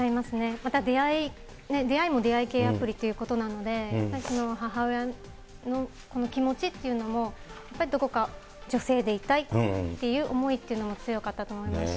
また出会いも出会い系アプリということなので、母親のこの気持ちっていうのも、やっぱりどこか女性でいたいっていう思いっていうのも強かったと思いますし。